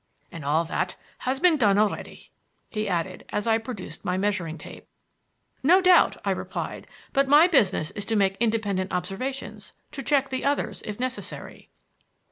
And all that has been done already," he added as I produced my measuring tape. "No doubt," I replied; "but my business is to make independent observations, to check the others, if necessary."